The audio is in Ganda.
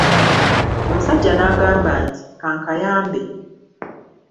Omusajja n'agamba nti: "Kankayambe."